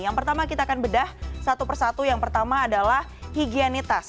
yang pertama kita akan bedah satu persatu yang pertama adalah higienitas